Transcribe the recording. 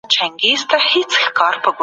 تاسو باید په خپلو دندو کي غفلت ونه کړئ.